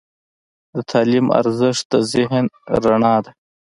د تعلیم ارزښت د ذهن رڼا ده.